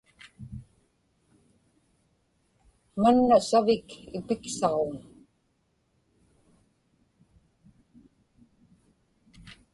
manna savik ipiksaġuŋ